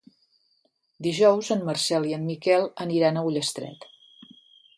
Dijous en Marcel i en Miquel aniran a Ullastret.